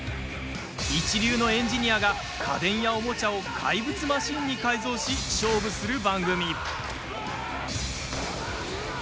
一流のエンジニアが家電やおもちゃを怪物マシンに改造し勝負する番組。